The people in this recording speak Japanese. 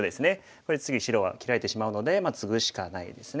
これ次白は切られてしまうのでツグしかないですね。